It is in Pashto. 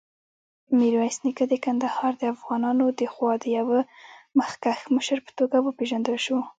میرویس نیکه د کندهار دافغانانودخوا د یوه مخکښ مشر په توګه وپېژندل شو.